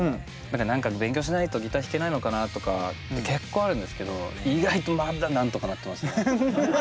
だから何か勉強しないとギター弾けないのかなとか結構あるんですけど意外とまだなんとかなってますね。